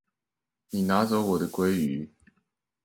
你拿走我的鮭魚